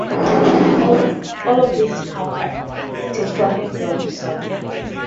All of these have a tetrahedral cell.